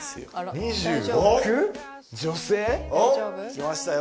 きましたよ